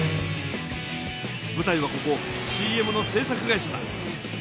ぶたいはここＣＭの制作会社だ。